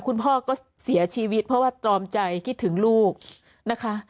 คุณพ่อก็เสียชีวิตเพราะว่าตรอมใจคิดถึงลูกนะคะ